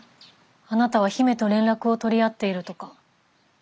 あなたは姫と連絡を取り合っているとか。